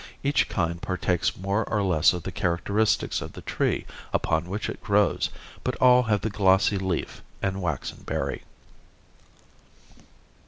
Each kind partakes more or less of the characteristics of the tree upon which it grows, but all have the glossy leaf and waxen berry.